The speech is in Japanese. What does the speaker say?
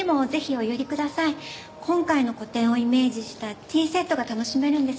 今回の個展をイメージしたティーセットが楽しめるんです。